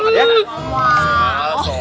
iya betul betul